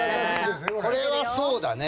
これはそうだね。